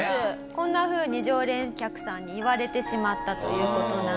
こんなふうに常連客さんに言われてしまったという事なんです。